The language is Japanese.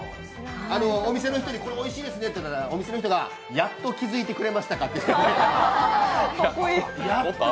お店の人に、これおいしいですねって言ったらお店の人が「やっと気づいてくれましたか」って言ってました。